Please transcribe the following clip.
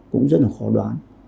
cũng rất là khó đoán